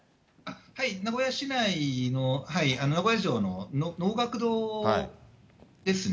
名古屋市内の、名古屋城の能楽堂ですね。